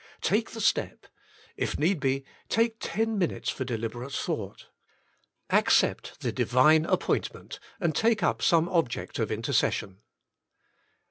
Take the Step. If need be, take ten minutes for deliberate thought. Ac cept the Divine appointment, and take up some object of intercession.